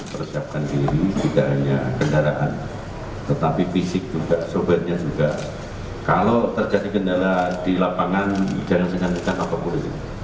pondokan yang diperlukan adalah pengamanan di jalan sekantikan atau kursi